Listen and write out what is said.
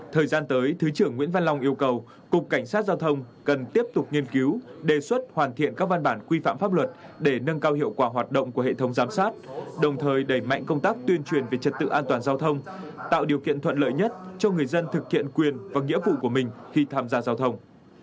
thời gian tới thứ trưởng nguyễn văn long yêu cầu cục cảnh sát giao thông cần tiếp tục nghiên cứu đề xuất hoàn thiện các văn bản quy phạm pháp luật để nâng cao hiệu quả hoạt động của hệ thống giám sát đồng thời đẩy mạnh công tác tuyên truyền về trật tự an toàn giao thông tạo điều kiện thuận lợi nhất cho người dân thực hiện quyền và nghĩa vụ của mình khi tham gia giao thông